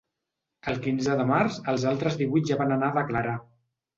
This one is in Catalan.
El quinze de març, els altres divuit ja van anar a declarar.